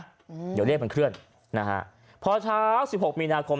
เดี๋ยวเรียกมันเคลื่อนพอเช้า๑๖มีนาคม